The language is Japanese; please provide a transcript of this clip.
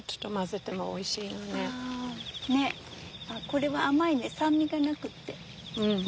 これは甘いね酸味がなくて。